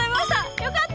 よかった！